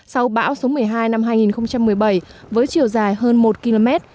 sau bão số một mươi hai năm hai nghìn một mươi bảy với chiều dài hơn một km